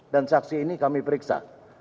dan saksi ini kami periksa